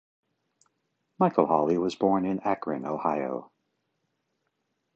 Michael Holley was born in Akron, Ohio.